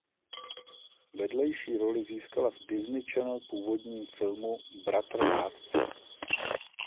Vedlejší roli získala v Disney Channel původním filmu "Bratr rádce".